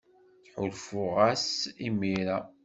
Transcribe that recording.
Ttḥulfuɣ-as imir-a.